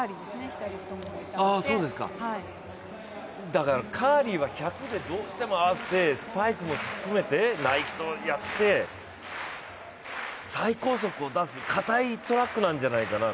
だからカーリーは１００でどうしても合わせてスパイクも含めてＮｉｋｅとやって最高速を出す、硬いトラックなんじゃないかな？